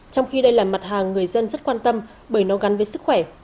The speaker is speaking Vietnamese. trong khi đây là mặt hàng người dân rất quan tâm bởi nó gắn với sức khỏe